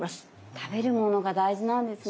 食べるものが大事なんですね。